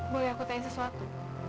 boleh aku tanya sesuatu